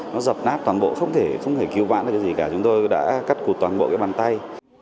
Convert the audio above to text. nó dập nát toàn bộ không thể cứu bản được gì cả chúng tôi đã cắt cụt toàn bộ bàn tay